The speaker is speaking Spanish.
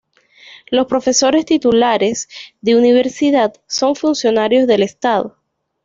Los profesores titulares de universidad son funcionarios del estado.